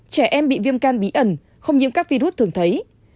trẻ em bị viêm can bí ẩn không nhiễm các virus thường thấy